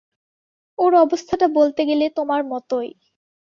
ওর অবস্থাটা বলতে গেলে তোমার মতোই।